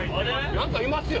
何かいますよ。